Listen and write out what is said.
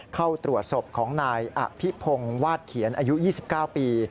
เข้าตรวจศพของนายอภิพงศ์วาดเขียนอายุ๒๙ปี